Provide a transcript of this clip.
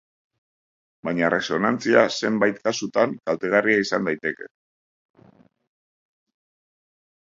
Baina erresonantzia zenbait kasutan kaltegarria izan daiteke.